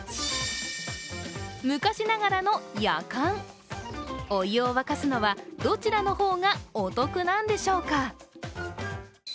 昔ながらのやかん、お湯を沸かすのはどちらの方がお得なんでしょうか。